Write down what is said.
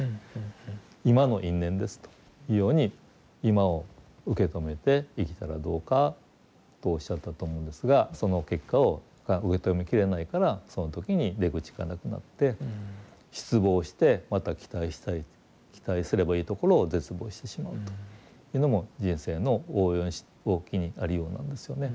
今の因縁ですというように今を受け止めて生きたらどうかとおっしゃったと思うんですがその結果が受け止めきれないからその時に出口がなくなって失望してまた期待したり期待すればいいところを絶望してしまうというのも人生の大きいありようなんですよね。